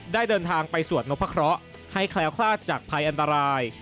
ได้เดินทางไปสวดนพะเคราะห์ให้แคล้วคลาดจากภัยอันตราย